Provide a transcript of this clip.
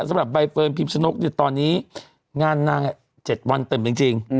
สำหรับใบเฟิร์นพิมชนกตอนนี้งานนาง๗วันเต็มจริง